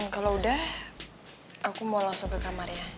kalau udah aku mau langsung ke kamar ya